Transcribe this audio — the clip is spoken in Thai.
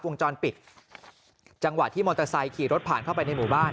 วงจรปิดจังหวะที่มอเตอร์ไซค์ขี่รถผ่านเข้าไปในหมู่บ้าน